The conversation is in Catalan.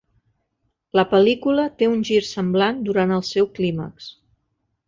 La pel·lícula té un gir semblant durant el seu clímax.